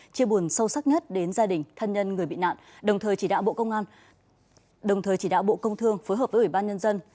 chia buồn sâu sắc nhất đến gia đình thân nhân người bị nạn đồng thời chỉ đạo bộ công thương phối hợp với ủy ban nhân dân